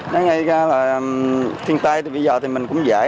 nói ngay ra là thiên tai bây giờ thì mình cũng dễ